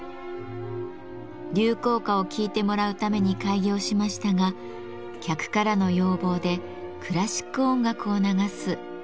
流行歌を聴いてもらうために開業しましたが客からの要望でクラシック音楽を流す名曲喫茶になりました。